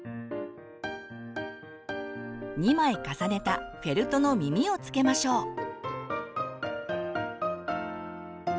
２枚重ねたフェルトの耳をつけましょう。